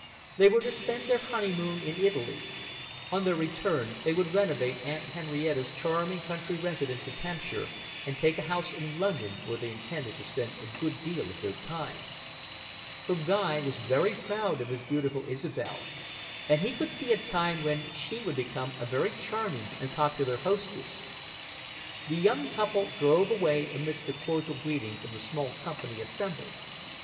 They were to spend their honeymoon in Italy. On their return, they would renovate Aunt Henrietta's charming country residence in Hampshire and take a house in London, where they intended to spend a good deal of their time. For Guy was very proud of his beautiful Isobel, and he could see a time when she would become a very charming and popular hostess. The young couple drove away amidst the cordial greetings of the small company assembled.